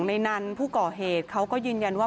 มันจะกระนะคล้ายกัน